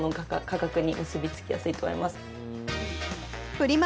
フリマ